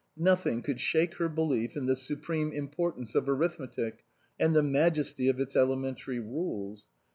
Nothing could shake her belief in the supreme importance of arithmetic and the majesty of its elementary rules.